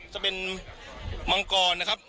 จะเป็นมังกรนะครับ